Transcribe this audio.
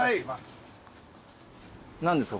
何ですか？